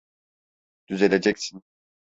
Düzeleceksin.